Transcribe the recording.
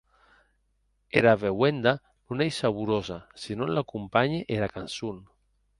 Era beuenda non ei saborosa se non l’acompanhe era cançon.